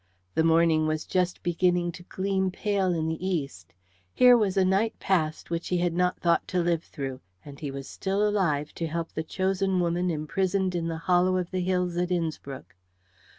The morning was just beginning to gleam pale in the east. Here was a night passed which he had not thought to live through, and he was still alive to help the chosen woman imprisoned in the hollow of the hills at Innspruck.